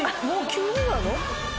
もう急になの？